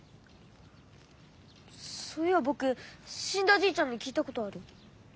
そういやぼくしんだじいちゃんに聞いたことある。